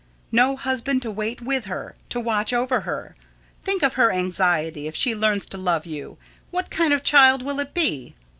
No husband to wait with her, to watch over her. Think of her anxiety, if she learns to love you! What kind of child will it be?